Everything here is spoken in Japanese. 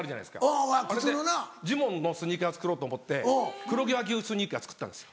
あれでジモンのスニーカー作ろうと思って黒毛和牛スニーカー作ったんです。